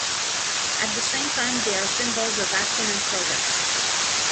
At the same time, they are symbols of action and progress.